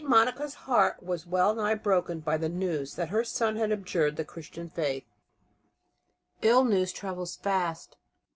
MONICA'S HEART WAS WELL NIGH BROKEN BY THE NEWS THAT HER SON HAD ABJURED THE CHRISTIAN FAITH Ill news travels fast.